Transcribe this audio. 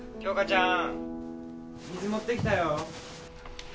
ちゃーん水持ってきたよ